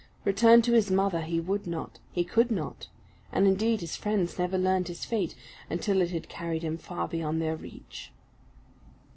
Return to his mother he would not, he could not; and, indeed, his friends never learned his fate, until it had carried him far beyond their reach.